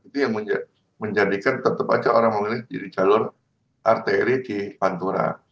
itu yang menjadikan tetap aja orang memilih jadi jalur arteri di pantura